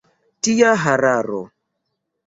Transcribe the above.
Tia hararo!